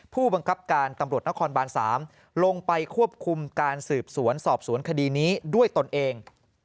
ผู้บังคับการตำรวจนครบาน๓ลงไปควบคุมการสืบสวนสอบสวนคดีนี้ด้วยตนเอง